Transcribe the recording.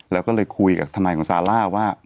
แล้วก็เลยคุยกับทนายของซาร่าว่า